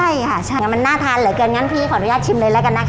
ใช่จ้ะถ่ายอย่างมันน่าทานเหลือเกือนกันพี่ขออนุญาตชิมเลยละกันนะคะ